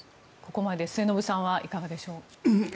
ここまで、末延さんはいかがでしょうか。